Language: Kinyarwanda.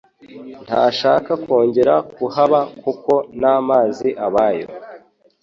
Ntashaka kongera kuhaba kuko n'amazi abayo.